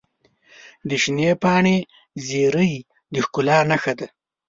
د شنې پاڼې زیرۍ د ښکلا نښه ده.